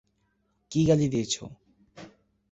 কী গালি দিয়েছো?